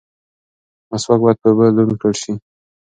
مسواک باید په اوبو لوند کړل شي.